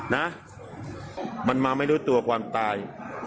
นะมันมาไม่รู้ตัวความตาย